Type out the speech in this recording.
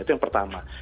itu yang pertama